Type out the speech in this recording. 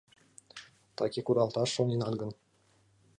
Таки кудалташ шоненат гын